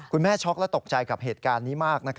ช็อกและตกใจกับเหตุการณ์นี้มาก